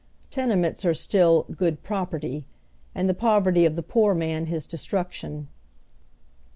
Tene ments are still "good property," and the poverty of the poor man his destruction.